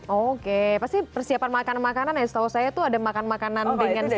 oke pasti persiapan makanan makanan ya setahu saya tuh ada makanan makanan dengan simbol simbol